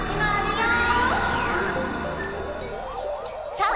さあ！